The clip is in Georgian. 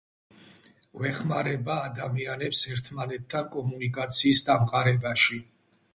გვეხმარება ადამიანებს ერთმანეთთან კომუნიკაციის დამყარებაში